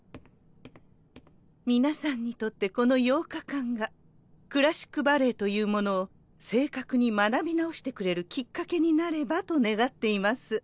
皆さんにとってこの８日間がクラシックバレエというものを正確に学び直してくれるきっかけになればと願っています。